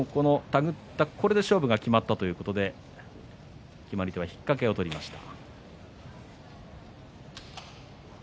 手繰ったところで勝負が決まったということで決まり手は引っかけを取りました。